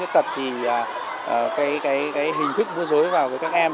đối với trẻ em khuyết tật thì cái hình thức múa dối vào với các em